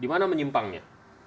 di mana menyimpangnya